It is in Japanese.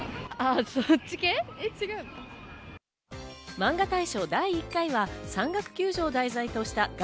マンガ大賞第１回は山岳救助を題材とした『岳』。